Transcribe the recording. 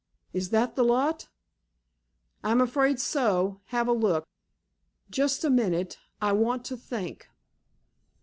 "Is that the lot?" "I'm afraid so. Have a look." "Just a minute. I want to think."